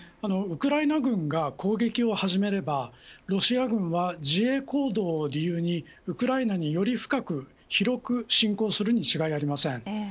ウクライナ軍が攻撃を始めればロシア軍は自衛行動を理由にウクライナにより深く広く侵攻するに違いありません。